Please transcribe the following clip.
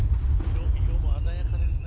色も鮮やかですね。